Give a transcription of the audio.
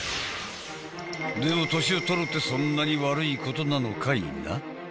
でも年を取るってそんなに悪いことなのかいな？